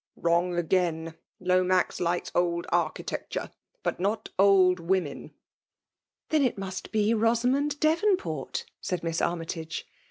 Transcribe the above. .' Wron^ again. Lomax likes old archi * tecture— but not old'woineh." ..'<< Then it must be Bosamond Devonport !" said Miss Armytage.